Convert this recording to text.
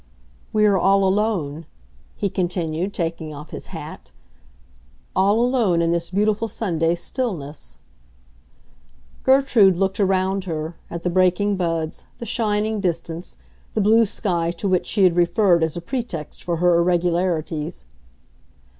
"We are all alone," he continued, taking off his hat; "all alone in this beautiful Sunday stillness." Gertrude looked around her, at the breaking buds, the shining distance, the blue sky to which she had referred as a pretext for her irregularities.